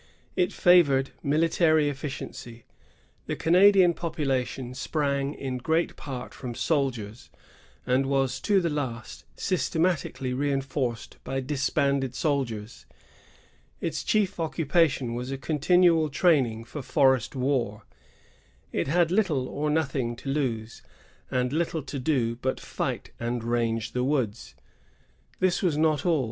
It favored military efficiency. The Canadian population sprang in great part from soldiers, and was to the last systematically reinforced by disbanded soldiers. Its chief occupation was a continual training for forest war; it had little or nothing to lose, and little to do but fight and range the woods. This was not all.